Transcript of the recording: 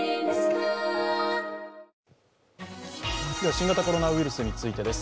新型コロナウイルスについてです。